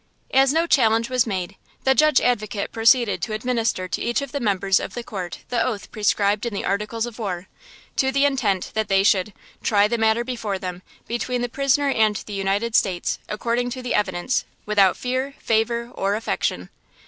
As no challenge was made, the Judge Advocate proceeded to administer to each of the members of the court the oath prescribed in the Articles of War, to the intent that they should "try the matter before them, between the prisoner and the United States, according to the evidence, without fear, favor or affection."